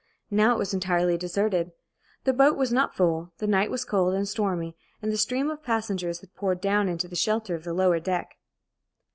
Now it was entirely deserted. The boat was not full, the night was cold and stormy, and the stream of passengers had poured down into the shelter of the lower deck.